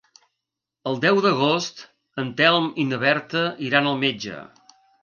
El deu d'agost en Telm i na Berta iran al metge.